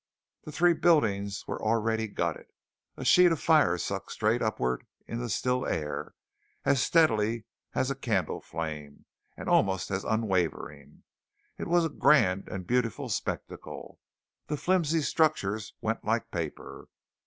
The three buildings were already gutted. A sheet of fire sucked straight upward in the still air, as steadily as a candle flame, and almost as unwavering. It was a grand and beautiful spectacle. The flimsy structures went like paper.